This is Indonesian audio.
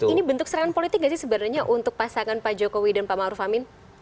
ini bentuk serangan politik tidak sih sebenarnya untuk pasangan pak jokowi dan pak ma'ruf amin